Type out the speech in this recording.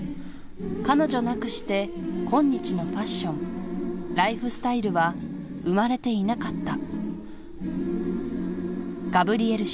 「彼女なくして今日のファッションライフスタイルは生まれていなかった」